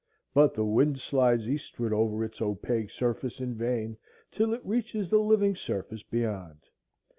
But the wind slides eastward over its opaque surface in vain, till it reaches the living surface beyond.